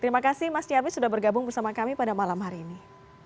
terima kasih mas nyarwi sudah bergabung bersama kami pada malam hari ini